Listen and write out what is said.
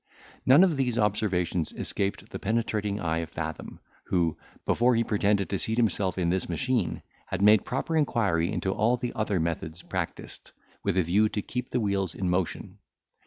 None of these observations escaped the penetrating eye of Fathom, who, before he pretended to seat himself in this machine, had made proper inquiry into all the other methods practised, with a view to keep the wheels in motion.